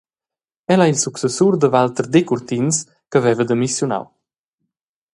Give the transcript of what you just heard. El ei il successur da Walter Decurtins che veva demissiunau.